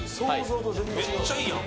めっちゃいいやん。